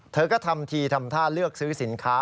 เธอก็ทำทีทำท่าเลือกซื้อสินค้า